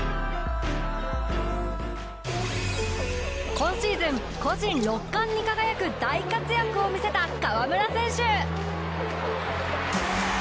今シーズン個人６冠に輝く大活躍を見せた河村選手。